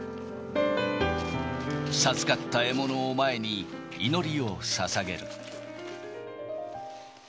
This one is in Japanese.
授かった獲物を前に、祈りをささげる。